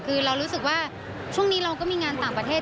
คือเรารู้สึกว่าช่วงนี้เราก็มีงานต่างประเทศ